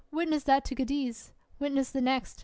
Witness that to Cadiz! Witness the next!